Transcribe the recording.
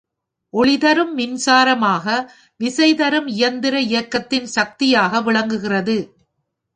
ஒளி தரும் மின்சாரமாக விசைதரும் இயந்திர இயக்கத்தின் சக்தியாக விளங்குகிறது.